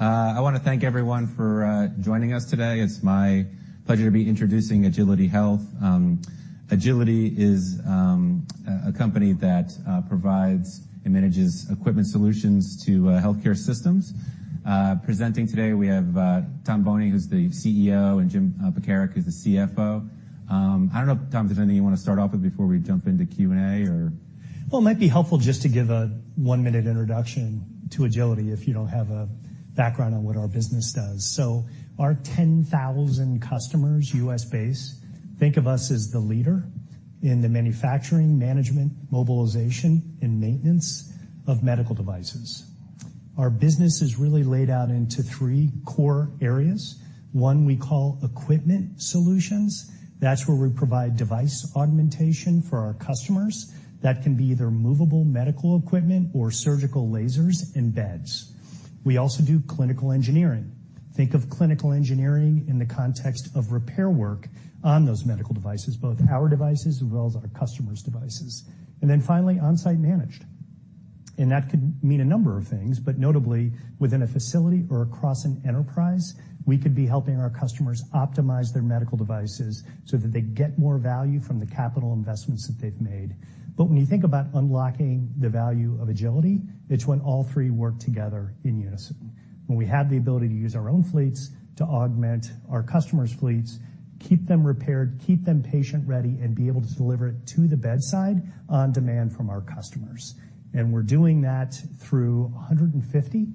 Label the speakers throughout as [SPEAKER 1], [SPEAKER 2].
[SPEAKER 1] I wanna thank everyone for joining us today. It's my pleasure to be introducing Agiliti Health. Agiliti is a company that provides and manages equipment solutions to healthcare systems. Presenting today we have Tom Boehning, who's the CEO, and Jim Pekarek, who's the CFO. I don't know if, Tom, there's anything you wanna start off with before we jump into Q&A.
[SPEAKER 2] It might be helpful just to give a 1-minute introduction to Agiliti if you don't have a background on what our business does. Our 10,000 customers, US-based, think of us as the leader in the manufacturing, management, mobilization, and maintenance of medical devices. Our business is really laid out into three core areas. one we call equipment solutions. That's where we provide device augmentation for our customers. That can be either movable medical equipment or surgical lasers and beds. We also do clinical engineering. Think of clinical engineering in the context of repair work on those medical devices, both our devices as well as our customers' devices. Finally, Onsite Managed, and that could mean a number of things, but notably within a facility or across an enterprise, we could be helping our customers optimize their medical devices so that they get more value from the capital investments that they've made. When you think about unlocking the value of Agiliti, it's when all three work together in unison. When we have the ability to use our own fleets to augment our customers' fleets, keep them repaired, keep them patient-ready, and be able to deliver it to the bedside on demand from our customers. We're doing that through 150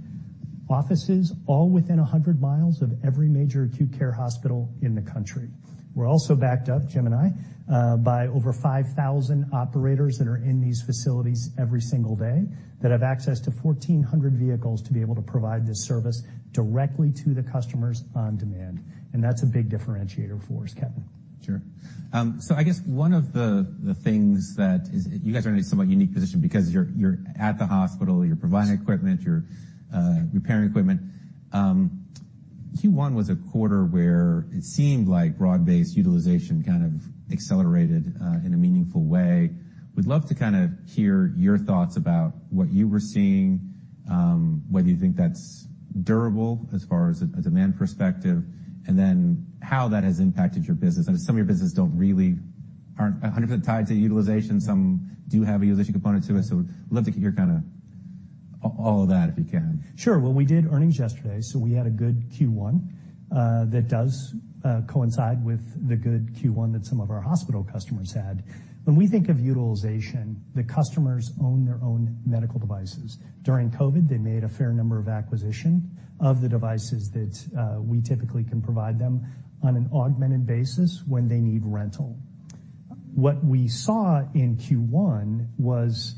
[SPEAKER 2] offices, all within 100 miles of every major acute care hospital in the country. We're also backed up, Jim and I, by over 5,000 operators that are in these facilities every single day, that have access to 1,400 vehicles to be able to provide this service directly to the customers on demand. That's a big differentiator for us, Kevin.
[SPEAKER 1] Sure. I guess one of the things that. You guys are in a somewhat unique position because you're at the hospital, you're providing equipment, you're repairing equipment. Q1 was a quarter where it seemed like broad-based utilization kind of accelerated in a meaningful way. We'd love to kind of hear your thoughts about what you were seeing, whether you think that's durable as far as a demand perspective, how that has impacted your business. I know some of your business aren't 100% tied to utilization. Some do have a utilization component to it, we'd love to get your all of that, if you can.
[SPEAKER 2] Sure. We did earnings yesterday, so we had a good Q1. That does coincide with the good Q1 that some of our hospital customers had. When we think of utilization, the customers own their own medical devices. During COVID, they made a fair number of acquisition of the devices that we typically can provide them on an augmented basis when they need rental. What we saw in Q1 was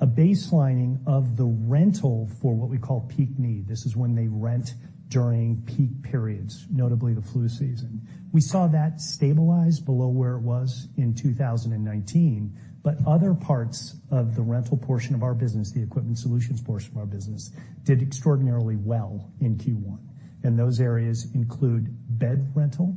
[SPEAKER 2] a baselining of the rental for what we call peak need. This is when they rent during peak periods, notably the flu season. We saw that stabilize below where it was in 2019, other parts of the rental portion of our business, the equipment solutions portion of our business, did extraordinarily well in Q1. Those areas include bed rental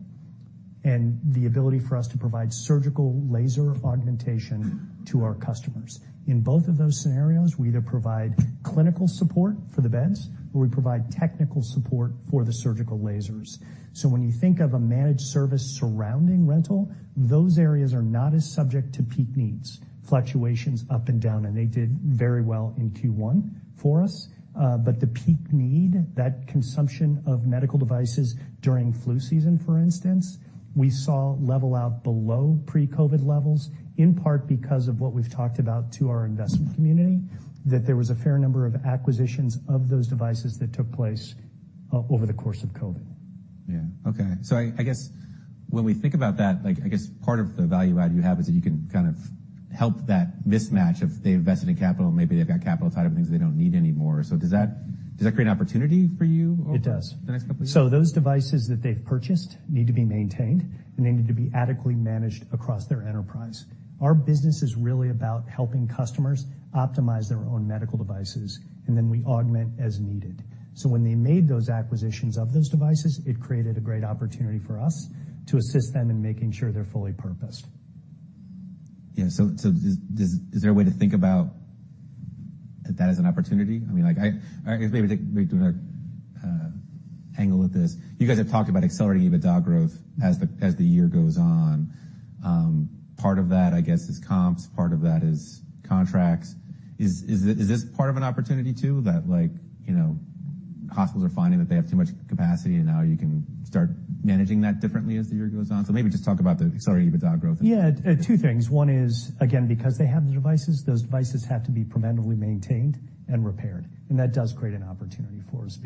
[SPEAKER 2] and the ability for us to provide surgical laser augmentation to our customers. In both of those scenarios, we either provide clinical support for the beds, or we provide technical support for the surgical lasers. When you think of a managed service surrounding rental, those areas are not as subject to peak needs, fluctuations up and down, and they did very well in Q1 for us. The peak need, that consumption of medical devices during flu season, for instance, we saw level out below pre-COVID levels, in part because of what we've talked about to our investment community, that there was a fair number of acquisitions of those devices that took place over the course of COVID.
[SPEAKER 1] Yeah. Okay. I guess when we think about that, like, I guess part of the value add you have is that you can kind of help that mismatch of they invested in capital, maybe they've got capital tied up in things they don't need anymore. Does that create opportunity for you?
[SPEAKER 2] It does.
[SPEAKER 1] The next couple years?
[SPEAKER 2] Those devices that they've purchased need to be maintained, and they need to be adequately managed across their enterprise. Our business is really about helping customers optimize their own medical devices, and then we augment as needed. When they made those acquisitions of those devices, it created a great opportunity for us to assist them in making sure they're fully purposed.
[SPEAKER 1] Yeah. Is there a way to think about that as an opportunity? I mean, like, maybe do another angle of this. You guys have talked about accelerating EBITDA growth as the year goes on. Part of that, I guess, is comps, part of that is contracts. Is this part of an opportunity too? That, like, you know, hospitals are finding that they have too much capacity and now you can start managing that differently as the year goes on. Maybe just talk about the accelerating EBITDA growth.
[SPEAKER 2] Yeah. Two things. One is, again, because they have the devices, those devices have to be preventatively maintained and repaired, and that does create an opportunity for us.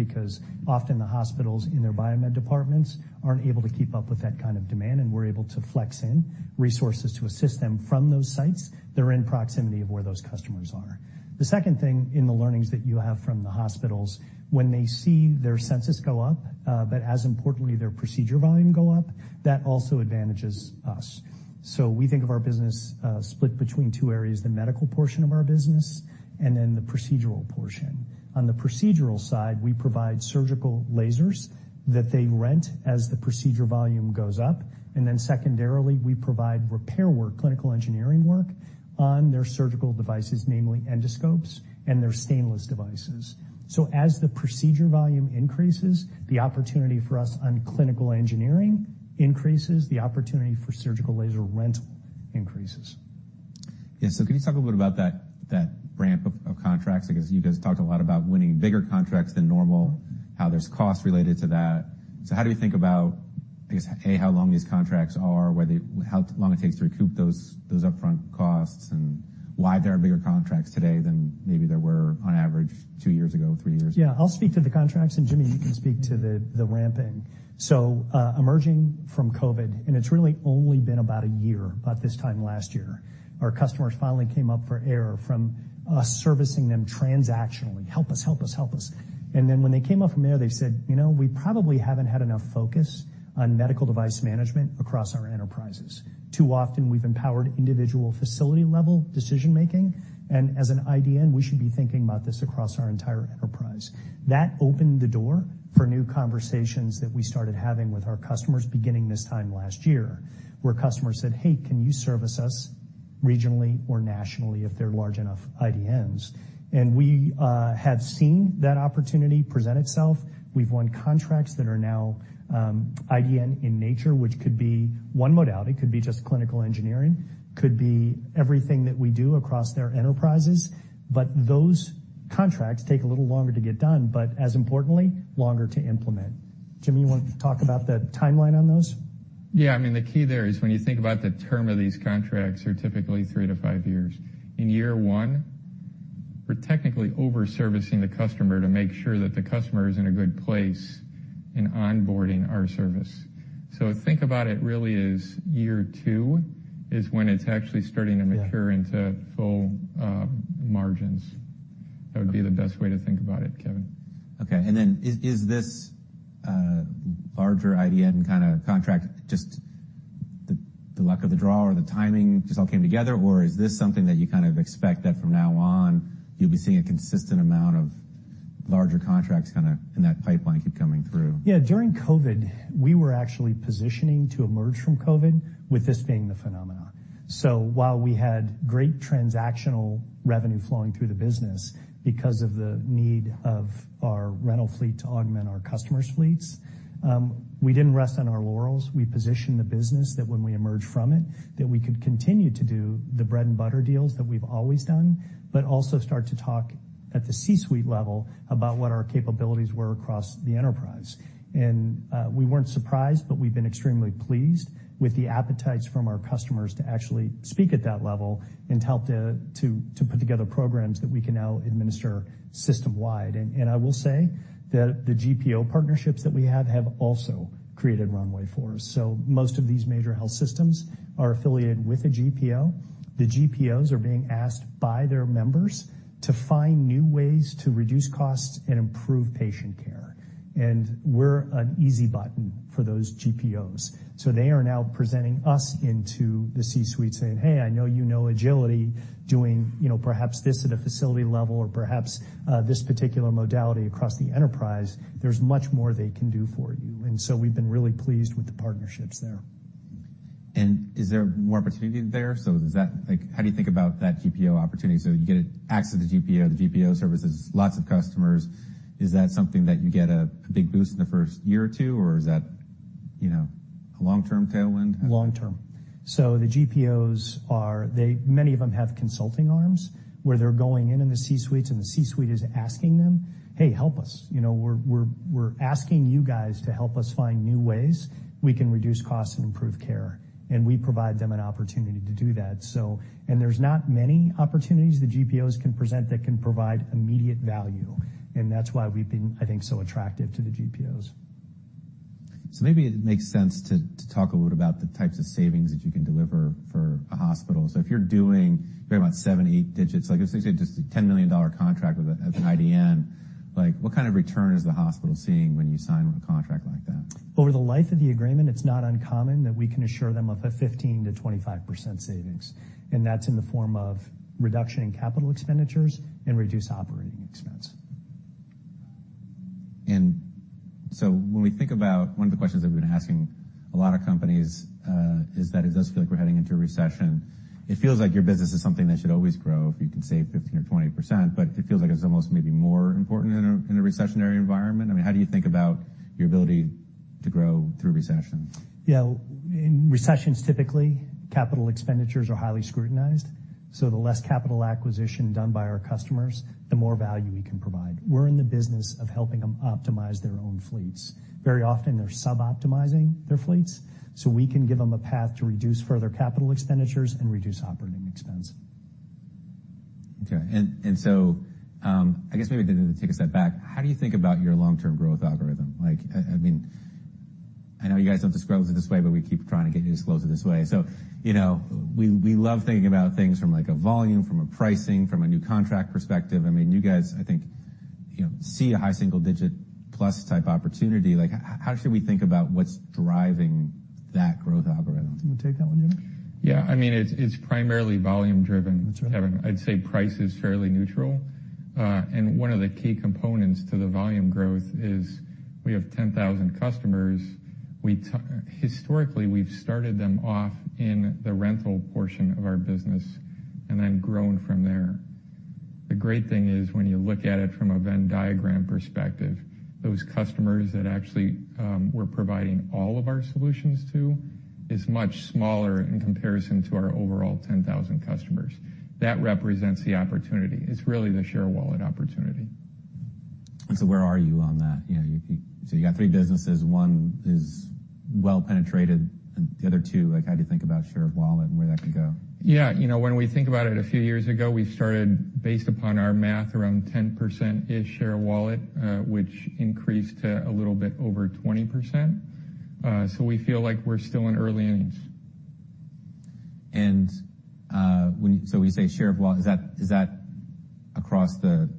[SPEAKER 2] Often the hospitals in their biomed departments aren't able to keep up with that kind of demand, and we're able to flex in resources to assist them from those sites that are in proximity of where those customers are. The second thing in the learnings that you have from the hospitals, when they see their census go up, but as importantly, their procedure volume go up, that also advantages us. We think of our business, split between two areas, the medical portion of our business and then the procedural portion. On the procedural side, we provide surgical lasers that they rent as the procedure volume goes up, and then secondarily, we provide repair work, clinical engineering work. On their surgical devices, namely endoscopes and their reusable devices. As the procedure volume increases, the opportunity for us on clinical engineering increases, the opportunity for surgical laser rental increases.
[SPEAKER 1] Yeah. Can you talk a bit about that ramp of contracts? I guess you guys talked a lot about winning bigger contracts than normal, how there's costs related to that. How do we think about, I guess, A, how long these contracts are, whether it takes to recoup those upfront costs, and why there are bigger contracts today than maybe there were on average two years ago, three years ago?
[SPEAKER 2] I'll speak to the contracts, Jimmy, you can speak to the ramping. Emerging from COVID, it's really only been about this time last year, our customers finally came up for air from us servicing them transactionally. Help us. When they came up from there, they said, "You know, we probably haven't had enough focus on medical device management across our enterprises. Too often we've empowered individual facility-level decision-making, as an IDN, we should be thinking about this across our entire enterprise." That opened the door for new conversations that we started having with our customers beginning this time last year, where customers said, "Hey, can you service us regionally or nationally if they're large enough IDNs?" We have seen that opportunity present itself. We've won contracts that are now IDN in nature, which could be one modality. Could be just clinical engineering, could be everything that we do across their enterprises. Those contracts take a little longer to get done, but as importantly, longer to implement. Jimmy, you want to talk about the timeline on those?
[SPEAKER 3] Yeah. I mean, the key there is when you think about the term of these contracts are typically three to five years. In year 1, we're technically over-servicing the customer to make sure that the customer is in a good place in onboarding our service. Think about it really as year two is when it's actually starting to mature.
[SPEAKER 2] Yeah.
[SPEAKER 3] Into full margins. That would be the best way to think about it, Kevin.
[SPEAKER 1] Okay. Is this larger IDN kinda contract just the luck of the draw or the timing just all came together, or is this something that you kind of expect that from now on you'll be seeing a consistent amount of larger contracts kinda in that pipeline keep coming through?
[SPEAKER 2] Yeah. During COVID, we were actually positioning to emerge from COVID with this being the phenomenon. While we had great transactional revenue flowing through the business because of the need of our rental fleet to augment our customers' fleets, we didn't rest on our laurels. We positioned the business that when we emerged from it, that we could continue to do the bread and butter deals that we've always done, but also start to talk at the C-suite level about what our capabilities were across the enterprise. We weren't surprised, but we've been extremely pleased with the appetites from our customers to actually speak at that level and to help to put together programs that we can now administer system-wide. I will say that the GPO partnerships that we have have also created runway for us. Most of these major health systems are affiliated with a GPO. The GPOs are being asked by their members to find new ways to reduce costs and improve patient care. We're an easy button for those GPOs. They are now presenting us into the C-suite saying, "Hey, I know you know Agiliti doing, you know, perhaps this at a facility level or perhaps this particular modality across the enterprise. There's much more they can do for you." We've been really pleased with the partnerships there.
[SPEAKER 1] Is there more opportunity there? Like, how do you think about that GPO opportunity? You get access to GPO, the GPO services lots of customers. Is that something that you get a big boost in the first year or two, or is that, you know, a long-term tailwind? How do you think.
[SPEAKER 2] Long-term. The GPOs many of them have consulting arms, where they're going in in the C-suites and the C-suite is asking them, "Hey, help us. You know, we're asking you guys to help us find new ways we can reduce costs and improve care." We provide them an opportunity to do that. There's not many opportunities the GPOs can present that can provide immediate value, and that's why we've been, I think, so attractive to the GPOs.
[SPEAKER 1] Maybe it makes sense to talk a little about the types of savings that you can deliver for a hospital. If you're doing, you're about seven, eight digits, like let's say just a $10 million contract with an IDN, like what kind of return is the hospital seeing when you sign a contract like that?
[SPEAKER 2] Over the life of the agreement, it's not uncommon that we can assure them of a 15%-25% savings. That's in the form of reduction in capital expenditures and reduced operating expense.
[SPEAKER 1] When we think about, one of the questions that we've been asking a lot of companies, is that it does feel like we're heading into a recession. It feels like your business is something that should always grow if you can save 15 or 20%, but it feels like it's almost maybe more important in a, in a recessionary environment. I mean, how do you think about your ability to grow through a recession?
[SPEAKER 2] Yeah. In recessions, typically, capital expenditures are highly scrutinized, so the less capital acquisition done by our customers, the more value we can provide. We're in the business of helping them optimize their own fleets. Very often, they're suboptimizing their fleets, so we can give them a path to reduce further capital expenditures and reduce operating expense.
[SPEAKER 1] Okay. I guess maybe to take a step back, how do you think about your long-term growth algorithm? Like, I mean, I know you guys don't disclose it this way, but we keep trying to get you to disclose it this way. You know, we love thinking about things from like a volume, from a pricing, from a new contract perspective. I mean, you guys, I think, you know, see a high single-digit plus type opportunity. Like, how should we think about what's driving that growth algorithm?
[SPEAKER 2] You want to take that one, Jim?
[SPEAKER 3] Yeah. I mean, it's primarily volume driven.
[SPEAKER 2] That's right.
[SPEAKER 3] -Kevin. I'd say price is fairly neutral. One of the key components to the volume growth is we have 10,000 customers. Historically, we've started them off in the rental portion of our business and then grown from there. The great thing is when you look at it from a Venn diagram perspective, those customers that actually, we're providing all of our solutions to is much smaller in comparison to our overall 10,000 customers. That represents the opportunity. It's really the share of wallet opportunity.
[SPEAKER 1] Where are you on that? You know, so you got three businesses. One is well penetrated, and the other two, like, how do you think about share of wallet and where that could go?
[SPEAKER 3] Yeah. You know, when we think about it, a few years ago, we started based upon our math around 10%-ish share of wallet, which increased to a little bit over 20%. We feel like we're still in early innings.
[SPEAKER 1] When you say share of wallet, is that across the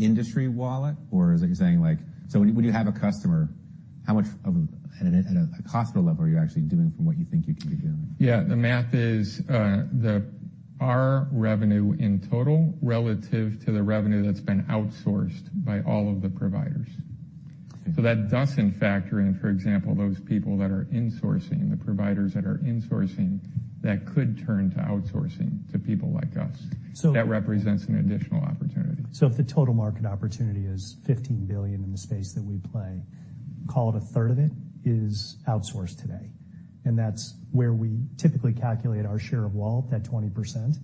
[SPEAKER 1] industry wallet? Or is it you're saying like, when you have a customer, at a hospital level are you actually doing from what you think you can be doing?
[SPEAKER 3] Yeah. The math is our revenue in total relative to the revenue that's been outsourced by all of the providers.
[SPEAKER 1] Okay.
[SPEAKER 3] That doesn't factor in, for example, those people that are insourcing, the providers that are insourcing that could turn to outsourcing to people like us.
[SPEAKER 1] So-
[SPEAKER 3] That represents an additional opportunity.
[SPEAKER 2] If the total market opportunity is $15 billion in the space that we play, call it 1/3 of it is outsourced today, and that's where we typically calculate our share of wallet, that 20%.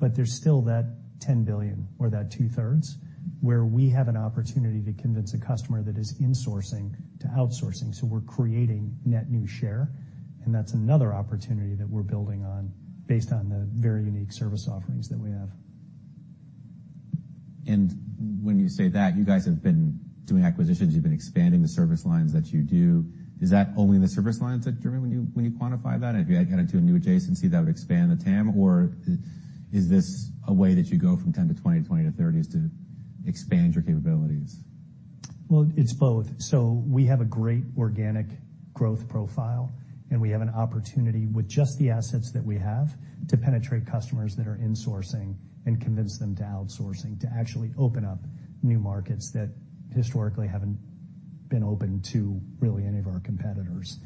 [SPEAKER 2] There's still that $10 billion or that 2/3 where we have an opportunity to convince a customer that is insourcing to outsourcing, so we're creating net new share, and that's another opportunity that we're building on based on the very unique service offerings that we have.
[SPEAKER 1] When you say that, you guys have been doing acquisitions, you've been expanding the service lines that you do. Is that only the service lines that, Jim, when you quantify that? If you add into a new adjacency that would expand the TAM, or is this a way that you go from 10 to 20 to 30 is to expand your capabilities?
[SPEAKER 2] It's both. We have a great organic growth profile, and we have an opportunity with just the assets that we have to penetrate customers that are insourcing and convince them to outsourcing to actually open up new markets that historically haven't been open to really any of our competitors.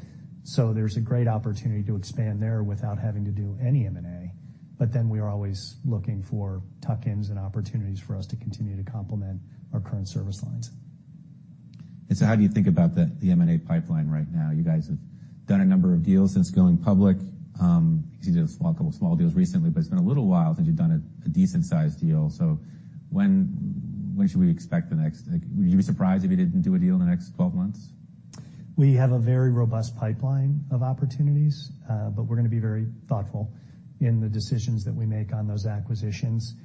[SPEAKER 2] There's a great opportunity to expand there without having to do any M&A. We are always looking for tuck-ins and opportunities for us to continue to complement our current service lines.
[SPEAKER 1] How do you think about the M&A pipeline right now? You guys have done a number of deals since going public. You just did a couple small deals recently, but it's been a little while since you've done a decent sized deal. When should we expect the next... Like, would you be surprised if you didn't do a deal in the next 12 months?
[SPEAKER 2] We have a very robust pipeline of opportunities, but we're gonna be very thoughtful in the decisions that we make on those acquisitions.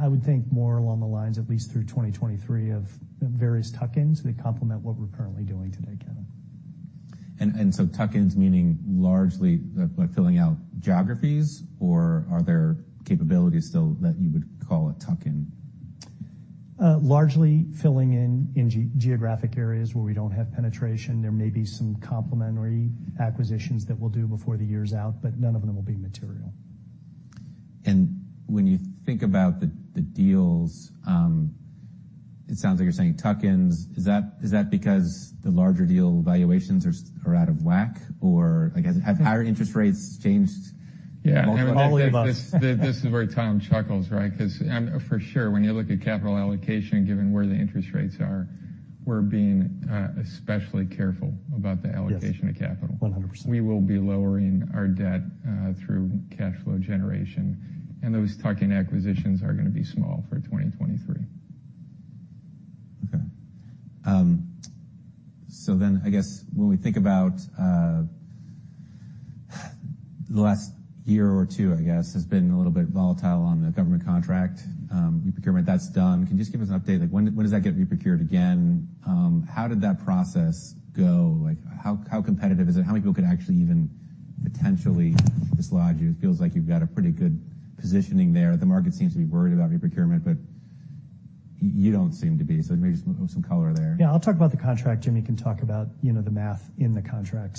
[SPEAKER 2] I would think more along the lines, at least through 2023 of various tuck-ins that complement what we're currently doing today, Kevin.
[SPEAKER 1] Tuck-ins meaning largely like filling out geographies, or are there capabilities still that you would call a tuck-in?
[SPEAKER 2] largely filling in geographic areas where we don't have penetration. There may be some complementary acquisitions that we'll do before the year's out, but none of them will be material.
[SPEAKER 1] When you think about the deals, it sounds like you're saying tuck-ins. Is that because the larger deal valuations are out of whack? Or, I guess, have higher interest rates changed?
[SPEAKER 3] Yeah.
[SPEAKER 2] All of the above.
[SPEAKER 3] This is where Tom chuckles, right? 'Cause for sure, when you look at capital allocation given where the interest rates are, we're being especially careful about the allocation.
[SPEAKER 2] Yes.
[SPEAKER 3] Of capital.
[SPEAKER 2] 100%.
[SPEAKER 3] We will be lowering our debt, through cash flow generation, and those tuck-in acquisitions are gonna be small for 2023.
[SPEAKER 1] I guess when we think about the last year or two, I guess, has been a little bit volatile on the government contract, reprocurement. That's done. Can you just give us an update? Like when does that get reprocured again? How did that process go? Like, how competitive is it? How many people could actually even potentially dislodge you? It feels like you've got a pretty good positioning there. The market seems to be worried about reprocurement, but you don't seem to be. Maybe just some color there.
[SPEAKER 2] Yeah. I'll talk about the contract. Jimmy can talk about, you know, the math in the contract.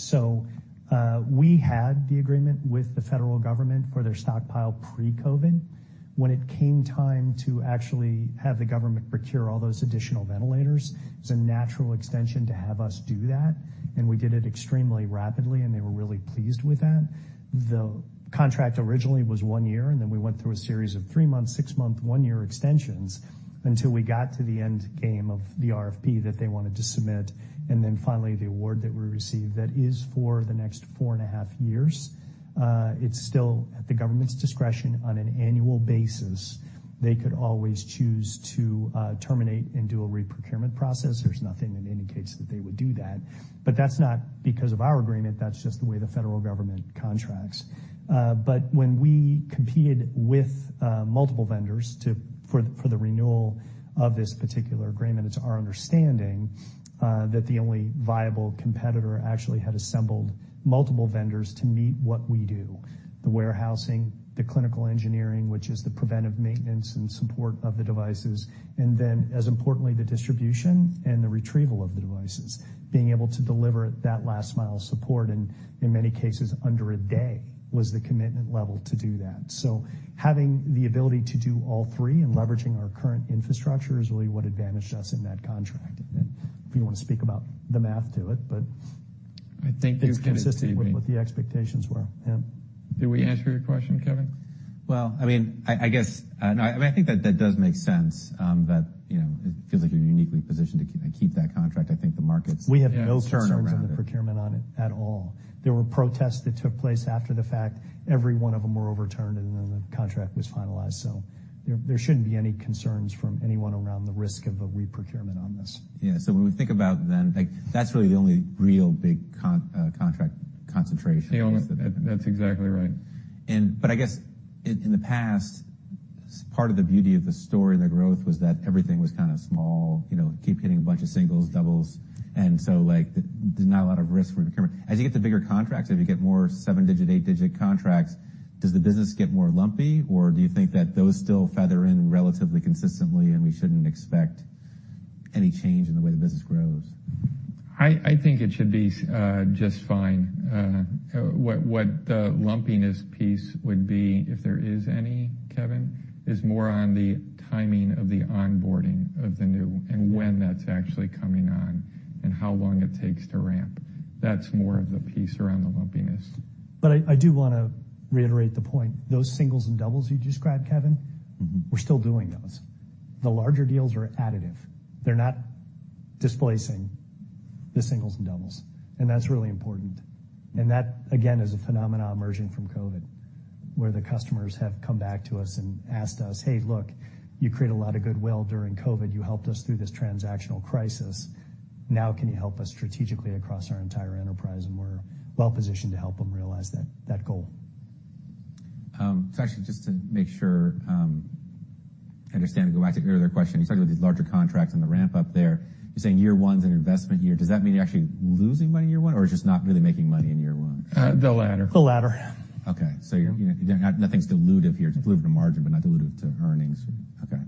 [SPEAKER 2] We had the agreement with the federal government for their stockpile pre-COVID. When it came time to actually have the government procure all those additional ventilators, it was a natural extension to have us do that, and we did it extremely rapidly, and they were really pleased with that. The contract originally was one year, and then we went through a series of three-month, six-month, one-year extensions until we got to the end game of the RFP that they wanted to submit, and then finally the award that we received that is for the next four and a half years. It's still at the government's discretion on an annual basis. They could always choose to terminate and do a reprocurement process. There's nothing that indicates that they would do that. That's not because of our agreement. That's just the way the federal government contracts. But when we competed with multiple vendors for the renewal of this particular agreement, it's our understanding that the only viable competitor actually had assembled multiple vendors to meet what we do, the warehousing, the clinical engineering, which is the preventive maintenance and support of the devices, and then, as importantly, the distribution and the retrieval of the devices. Being able to deliver that last mile of support and, in many cases, under a day was the commitment level to do that. Having the ability to do all three and leveraging our current infrastructure is really what advantaged us in that contract. If you wanna speak about the math to it, but
[SPEAKER 3] I think you're gonna agree with me.
[SPEAKER 2] It's consistent with what the expectations were. Yeah.
[SPEAKER 3] Did we answer your question, Kevin?
[SPEAKER 1] Well, I mean, I guess, no, I think that does make sense, that, you know, it feels like you're uniquely positioned to keep that contract. I think the market's-.
[SPEAKER 2] We have no concerns on the procurement on it at all. There were protests that took place after the fact. Every one of them were overturned, the contract was finalized. There shouldn't be any concerns from anyone around the risk of a reprocurement on this.
[SPEAKER 1] Yeah. When we think about then, like that's really the only real big contract concentration I guess that...
[SPEAKER 3] That's exactly right.
[SPEAKER 1] I guess in the past, part of the beauty of the story and the growth was that everything was kind of small, you know, keep hitting a bunch of singles, doubles, and so like the there's not a lot of risk for procurement. As you get to bigger contracts, if you get more seven-digit, 8-digit contracts, does the business get more lumpy, or do you think that those still feather in relatively consistently and we shouldn't expect any change in the way the business grows?
[SPEAKER 3] I think it should be just fine. What the lumpiness piece would be, if there is any, Kevin, is more on the timing of the onboarding of the new and when that's actually coming on and how long it takes to ramp. That's more of the piece around the lumpiness.
[SPEAKER 2] I do wanna reiterate the point, those singles and doubles you described, Kevin-
[SPEAKER 1] Mm-hmm.
[SPEAKER 2] We're still doing those. The larger deals are additive. They're not displacing the singles and doubles, and that's really important. That, again, is a phenomenon emerging from COVID, where the customers have come back to us and asked us, "Hey, look, you create a lot of goodwill during COVID. You helped us through this transactional crisis. Now can you help us strategically across our entire enterprise?" We're well positioned to help them realize that goal.
[SPEAKER 1] Actually just to make sure, I understand, go back to your earlier question. You talked about these larger contracts and the ramp up there. You're saying year one's an investment year. Does that mean you're actually losing money in year one or just not really making money in year one?
[SPEAKER 3] The latter.
[SPEAKER 2] The latter.
[SPEAKER 1] Okay. You're, you know, nothing's dilutive here. It's dilutive to margin, but not dilutive to earnings. Okay.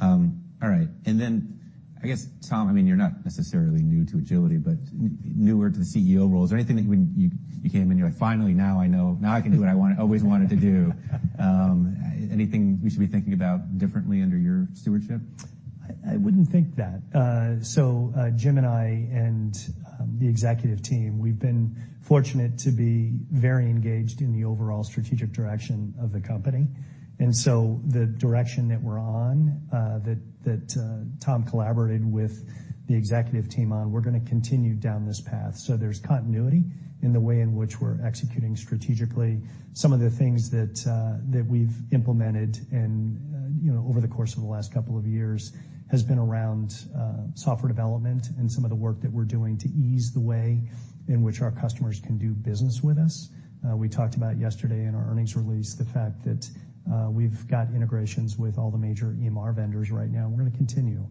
[SPEAKER 1] All right. I guess, Tom, I mean, you're not necessarily new to Agiliti, but newer to the CEO role. Is there anything that when you came in, you're like, "Finally, now I know. Now I can do what I always wanted to do." Anything we should be thinking about differently under your stewardship?
[SPEAKER 2] I wouldn't think that. Jim and I and the executive team, we've been fortunate to be very engaged in the overall strategic direction of the company. The direction that we're on, that Tom collaborated with the executive team on, we're gonna continue down this path. There's continuity in the way in which we're executing strategically. Some of the things that we've implemented and, you know, over the course of the last couple of years has been around software development and some of the work that we're doing to ease the way in which our customers can do business with us. We talked about yesterday in our earnings release the fact that we've got integrations with all the major EMR vendors right now. We're gonna continue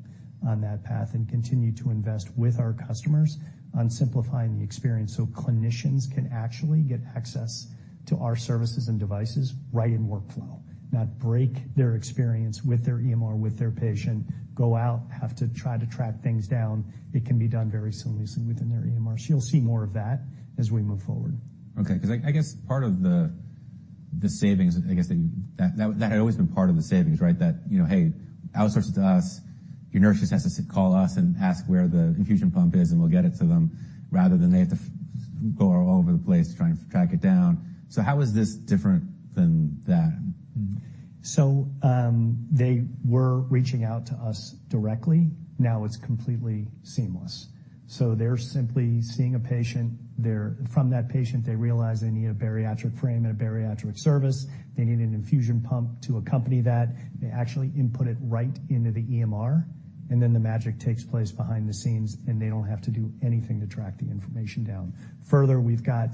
[SPEAKER 2] on that path and continue to invest with our customers on simplifying the experience, so clinicians can actually get access to our services and devices right in workflow, not break their experience with their EMR, with their patient, go out, have to try to track things down. It can be done very seamlessly within their EMR. You'll see more of that as we move forward.
[SPEAKER 1] Okay. 'Cause I guess part of the savings, I guess that had always been part of the savings, right? That, you know, hey, outsource it to us. Your nurse just has to call us and ask where the infusion pump is, and we'll get it to them rather than they have to go all over the place trying to track it down. How is this different than that?
[SPEAKER 2] They were reaching out to us directly. Now it's completely seamless. They're simply seeing a patient. From that patient, they realize they need a bariatric frame and a bariatric service. They need an infusion pump to accompany that. They actually input it right into the EMR, and then the magic takes place behind the scenes, and they don't have to do anything to track the information down. Further, we've got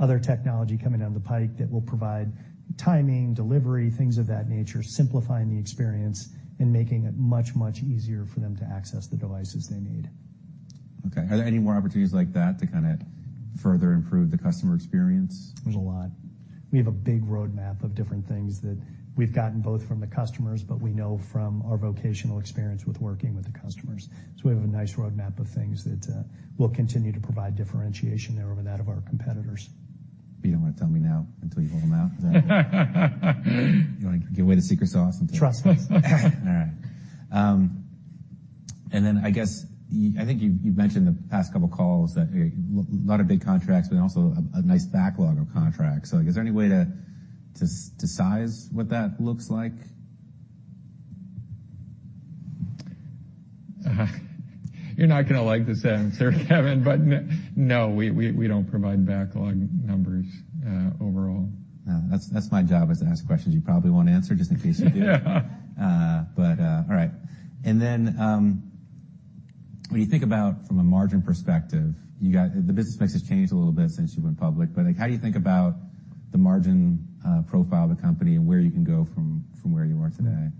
[SPEAKER 2] other technology coming down the pipe that will provide timing, delivery, things of that nature, simplifying the experience and making it much, much easier for them to access the devices they need.
[SPEAKER 1] Okay. Are there any more opportunities like that to kinda further improve the customer experience?
[SPEAKER 2] There's a lot. We have a big roadmap of different things that we've gotten both from the customers, but we know from our vocational experience with working with the customers. We have a nice roadmap of things that will continue to provide differentiation there over that of our competitors.
[SPEAKER 1] You don't wanna tell me now until you roll them out, is that it? You don't wanna give away the secret sauce until.
[SPEAKER 2] Trust us.
[SPEAKER 1] All right. I guess I think you've mentioned the past couple of calls that a lot of big contracts but also a nice backlog of contracts. Like, is there any way to size what that looks like?
[SPEAKER 3] You're not gonna like this answer, Kevin, but no, we don't provide backlog numbers overall.
[SPEAKER 1] No, that's my job is to ask questions you probably won't answer just in case you do. All right. Then, when you think about from a margin perspective, the business mix has changed a little bit since you went public, but like how do you think about the margin profile of the company and where you can go from where you are today?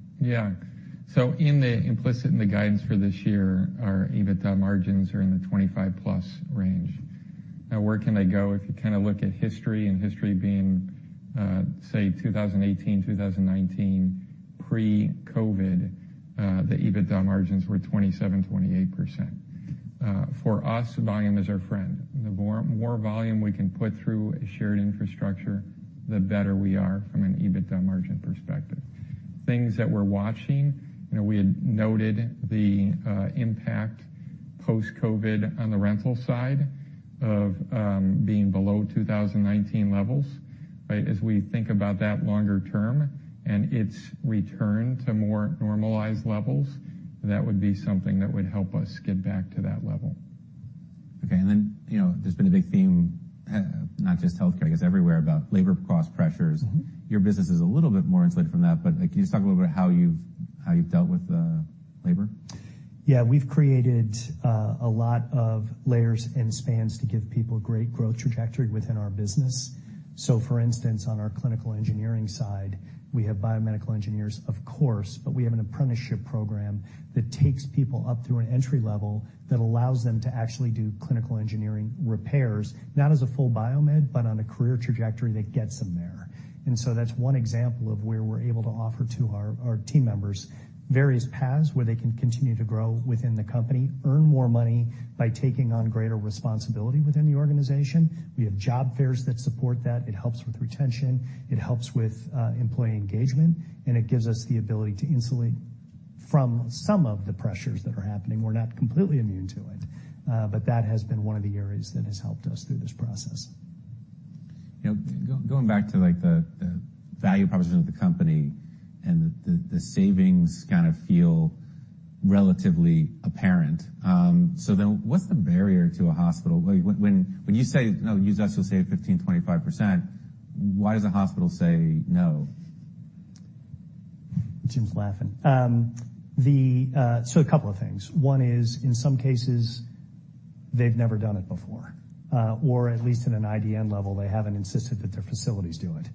[SPEAKER 3] In the implicit in the guidance for this year, our EBITDA margins are in the 25+ range. Where can they go? If you kinda look at history, and history being, say, 2018, 2019, pre-COVID, the EBITDA margins were 27%-28%. For us, volume is our friend. The more volume we can put through a shared infrastructure, the better we are from an EBITDA margin perspective.
[SPEAKER 2] Things that we're watching, you know, we had noted the impact post-COVID on the rental side of being below 2019 levels, right? As we think about that longer term and its return to more normalized levels, that would be something that would help us get back to that level.
[SPEAKER 1] Okay. you know, there's been a big theme, not just healthcare, I guess everywhere about labor cost pressures.
[SPEAKER 2] Mm-hmm.
[SPEAKER 1] Your business is a little bit more insulated from that, but, like, can you just talk a little bit how you've dealt with labor?
[SPEAKER 2] Yeah. We've created a lot of layers and spans to give people great growth trajectory within our business. For instance, on our clinical engineering side, we have biomedical engineers, of course, but we have an apprenticeship program that takes people up through an entry level that allows them to actually do clinical engineering repairs, not as a full biomed, but on a career trajectory that gets them there. That's one example of where we're able to offer to our team members various paths where they can continue to grow within the company, earn more money by taking on greater responsibility within the organization. We have job fairs that support that. It helps with retention, it helps with employee engagement, and it gives us the ability to insulate from some of the pressures that are happening. We're not completely immune to it, but that has been one of the areas that has helped us through this process.
[SPEAKER 1] You know, going back to, like, the value proposition of the company and the savings kind of feel relatively apparent. What's the barrier to a hospital? Like when you say use us, you'll save 15%-25%, why does a hospital say no?
[SPEAKER 2] Jim's laughing. A couple of things. One is, in some cases, they've never done it before, or at least at an IDN level, they haven't insisted that their facilities do it.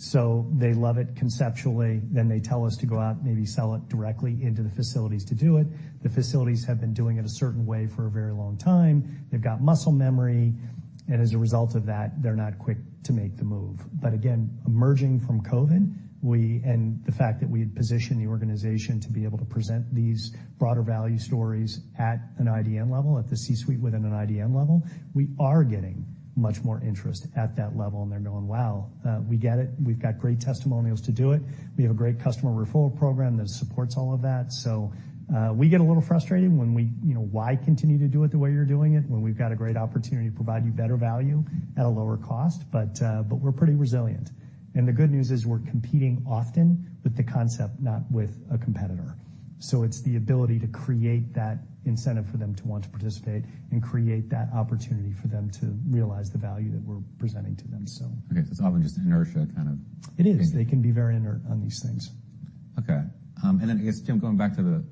[SPEAKER 2] They love it conceptually, then they tell us to go out and maybe sell it directly into the facilities to do it. The facilities have been doing it a certain way for a very long time. They've got muscle memory, and as a result of that, they're not quick to make the move. Again, emerging from COVID, and the fact that we had positioned the organization to be able to present these broader value stories at an IDN level, at the C-suite within an IDN level, we are getting much more interest at that level, and they're going, "Wow, we get it." We've got great testimonials to do it. We have a great customer referral program that supports all of that. We get a little frustrated when we, you know, why continue to do it the way you're doing it when we've got a great opportunity to provide you better value at a lower cost? We're pretty resilient. The good news is we're competing often with the concept, not with a competitor. It's the ability to create that incentive for them to want to participate and create that opportunity for them to realize the value that we're presenting to them so.
[SPEAKER 1] Okay. It's often just inertia kind of.
[SPEAKER 2] It is.
[SPEAKER 1] Okay.
[SPEAKER 2] They can be very inert on these things.
[SPEAKER 1] Okay. I guess, Jim, going back to the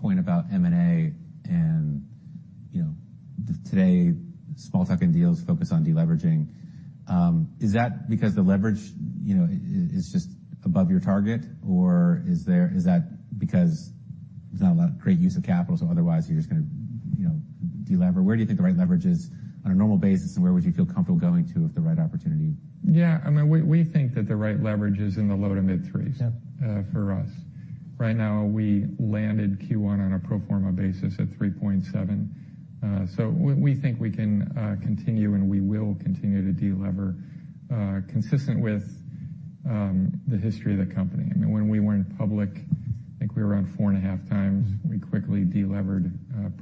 [SPEAKER 1] point about M&A and, you know, today small tuck-in deals focus on deleveraging, is that because the leverage, you know, is just above your target, or is that because there's not a lot great use of capital, so otherwise you're just gonna, you know, delever? Where do you think the right leverage is on a normal basis, and where would you feel comfortable going to if the right opportunity?
[SPEAKER 3] Yeah. I mean, we think that the right leverage is in the low to mid threes.
[SPEAKER 2] Yeah
[SPEAKER 3] For us. Right now, we landed Q1 on a pro forma basis at 3.7. We think we can continue, and we will continue to delever consistent with the history of the company. I mean, when we weren't public, I think we were around 4.5x. We quickly delevered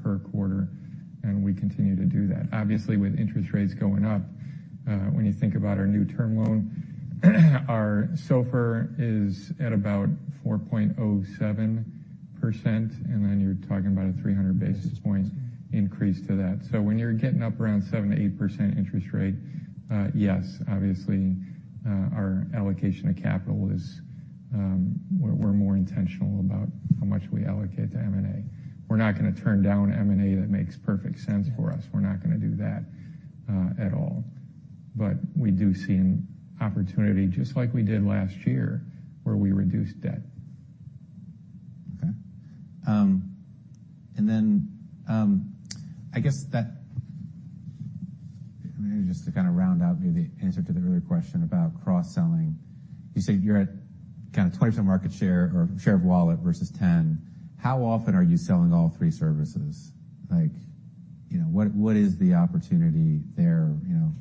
[SPEAKER 3] per quarter, and we continue to do that. Obviously, with interest rates going up, when you think about our new term loan, our SOFR is at about 4.07%. You're talking about a 300 basis points increase to that. When you're getting up around 7%-8% interest rate. Yes, obviously, our allocation of capital is... We're more intentional about how much we allocate to M&A. We're not gonna turn down M&A that makes perfect sense for us. We're not gonna do that at all. We do see an opportunity just like we did last year where we reduced debt.
[SPEAKER 1] Okay. I guess that, maybe just to kind of round out maybe the answer to the earlier question about cross-selling. You say you're at kind of 20% market share or share of wallet versus 10. How often are you selling all three services? Like, you know, what is the opportunity there, you know?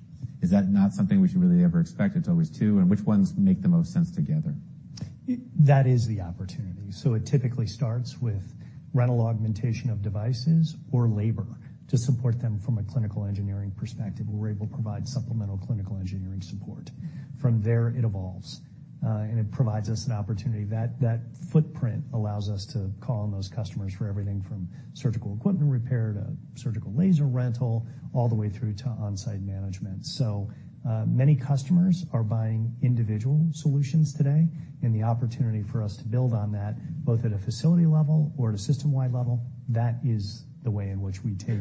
[SPEAKER 1] Is that not something we should really ever expect? It's always two, and which ones make the most sense together?
[SPEAKER 2] That is the opportunity. It typically starts with rental augmentation of devices or labor to support them from a clinical engineering perspective. We're able to provide supplemental clinical engineering support. From there, it evolves, and it provides us an opportunity. That footprint allows us to call on those customers for everything from surgical equipment repair to surgical laser rental, all the way through to onsite management. Many customers are buying individual solutions today, and the opportunity for us to build on that, both at a facility level or at a system-wide level, that is the way in which we take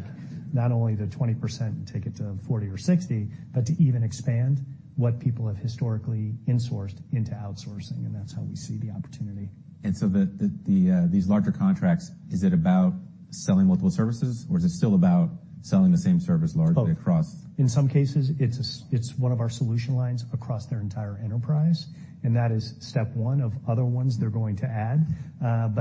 [SPEAKER 2] not only the 20% and take it to 40% or 60%, but to even expand what people have historically insourced into outsourcing, and that's how we see the opportunity.
[SPEAKER 1] These larger contracts, is it about selling multiple services, or is it still about selling the same service largely?
[SPEAKER 2] Both. In some cases, it's one of our solution lines across their entire enterprise, that is step one of other ones they're going to add.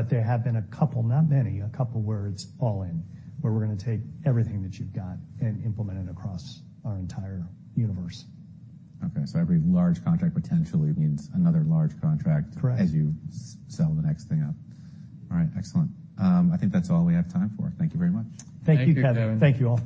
[SPEAKER 2] There have been a couple, not many, a couple where it's all in, where we're gonna take everything that you've got and implement it across our entire universe.
[SPEAKER 1] Okay. Every large contract potentially means another large contract.
[SPEAKER 2] Correct...
[SPEAKER 1] as you sell the next thing up. All right. Excellent. I think that's all we have time for. Thank you very much.
[SPEAKER 2] Thank you, Kevin.
[SPEAKER 3] Thank you, Kevin.
[SPEAKER 2] Thank you, all.